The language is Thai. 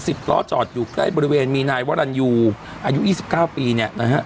สิบล้อจอดอยู่ใกล้บริเวณมีนายวรรณยูอายุยี่สิบเก้าปีเนี่ยนะฮะ